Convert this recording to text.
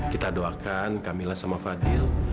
kita doakan kamilah sama fadil